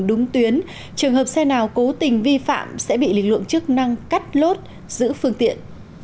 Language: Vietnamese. đúng tuyến trường hợp xe nào cố tình vi phạm sẽ bị lực lượng chức năng cắt lốt giữ phương tiện